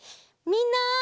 みんな！